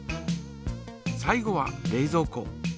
最後は冷ぞう庫。